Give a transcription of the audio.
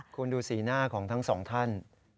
คุณดูสีหน้าของทั้งสองท่าน